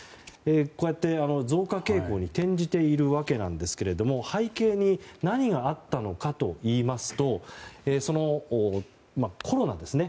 こうやって、増加傾向に転じているわけなんですけれども背景に何があったのかといいますとコロナですね。